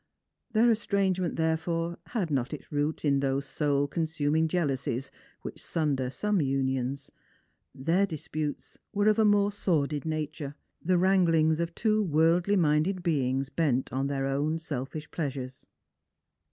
Their estrangement therefore had not its root in those soul consuming jealousies which sunder some, unions. Their disputes were of a more sordid nature, the wranglings of two worldly minded beings bent on their own selfish pleasures.